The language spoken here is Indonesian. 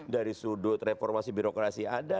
dari sudut reformasi birokrasi ada